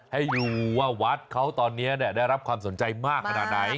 ให้ดูว่าวัดเขาตอนนี้ได้รับความสนใจมากขนาดไหน